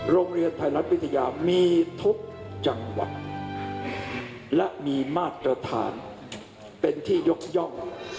โรงเรียนไทยรัฐวิทยามีทุกจังหวัดและมีมาตรฐานเป็นที่ยกย่อง